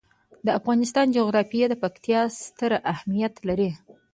د افغانستان جغرافیه کې پکتیکا ستر اهمیت لري.